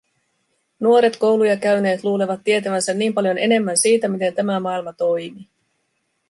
nuoret kouluja käyneet luulevat tietävänsä niin paljon enemmän siitä, miten tämä maailma toimii.